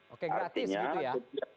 oke gratis gitu ya